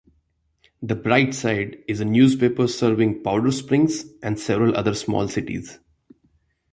"The Bright Side" is a newspaper serving Powder Springs and several other small cities.